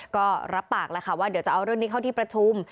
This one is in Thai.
ก็รับปากแล้วค่ะว่าเดี๋ยวจะเอาเรื่องนี้เข้าที่ประชุม